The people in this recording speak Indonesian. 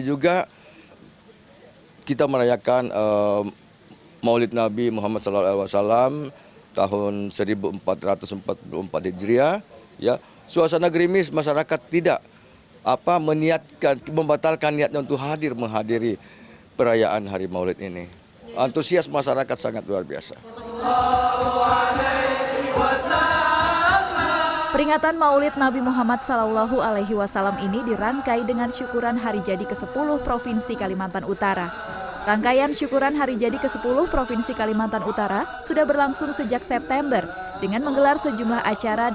zainal juga mengucapkan terima kasih kepada masyarakat yang antusias hadir dan mengikuti acara